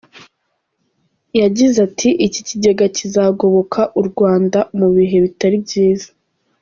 Yagize ati: “Iki kigega kizagoboka u Rwanda mu bihe bitari byiza.